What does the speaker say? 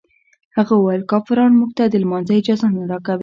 هغه ویل کافران موږ ته د لمانځه اجازه نه راکوي.